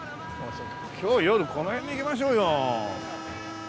今日夜この辺に行きましょうよ。